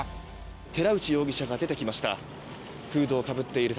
寺内容疑者が出てきました。